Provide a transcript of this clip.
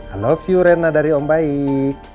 i love you rena dari om baik